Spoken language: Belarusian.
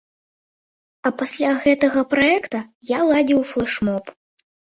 А пасля гэтага праекта я ладзіў флэш-моб.